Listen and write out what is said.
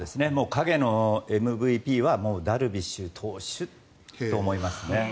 陰のＭＶＰはダルビッシュ投手と思いますね。